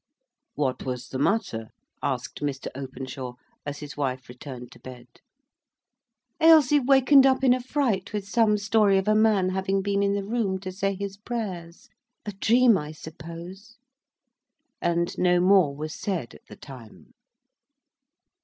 "What was the matter?" asked Mr. Openshaw, as his wife returned to bed. "Ailsie wakened up in a fright, with some story of a man having been in the room to say his prayers,—a dream, I suppose." And no more was said at the time.